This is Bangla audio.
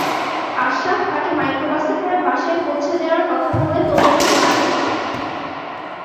আশরাফ তাঁকে মাইক্রোবাসে করে বাসায় পৌঁছে দেওয়ার কথা বললে তরুণী রাজি হননি।